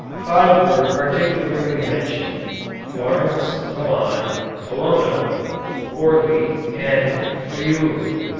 Five were particularly mentioned Florence, Milan, Bologna, Forli, and Friuli.